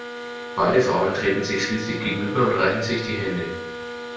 Beide Frauen treten sich schließlich gegenüber und reichen sich die Hände.